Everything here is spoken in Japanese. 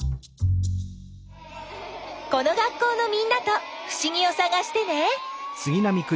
この学校のみんなとふしぎをさがしてね。